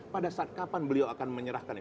pada saat kapan beliau akan menyerahkannya